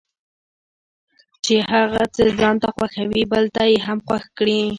چې هغه څه ځانته خوښوي بل ته یې هم خوښ کړي.